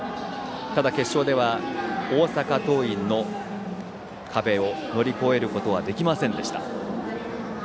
ただ、決勝では大阪桐蔭の壁を乗り越えることができませんでした。